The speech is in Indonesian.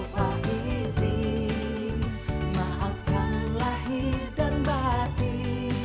minal aidin walfa izin maafkan lahir dan batin